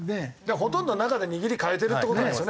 ほとんど中で握り変えてるって事なんですよね。